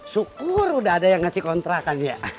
syukur udah ada yang ngasih kontrakan ya